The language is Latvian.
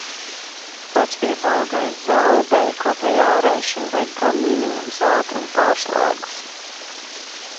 Vecpiebalgai, Zaubei, kaut vai Āraišiem vajag kā minimums ātrumu pārslēgus.